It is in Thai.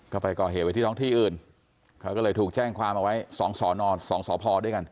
ก็ไปก่อเหตุไว้ที่ท้องที่อื่นเขาก็เลยถูกแจ้งความเอาไว้สองสอนอนสองสพด้วยกัน